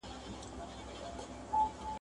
تل به نه وي زموږ په مېنه د تیارې ابۍ شریکه !.